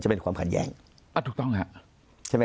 มุมนักวิจักรการมุมประชาชนทั่วไป